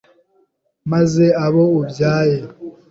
Maze abo ubyaye